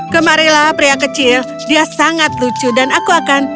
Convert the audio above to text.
kemarilah pria kecil dia sangat lucu dan aku akan